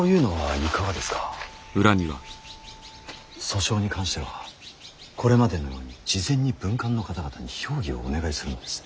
訴訟に関してはこれまでのように事前に文官の方々に評議をお願いするのです。